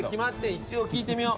一応、聞いてみよう。